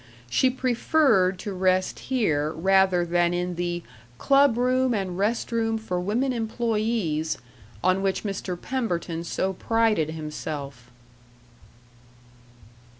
She preferred to rest here rather than in the "club room and rest room for women employees," on which Mr. Pemberton so prided himself.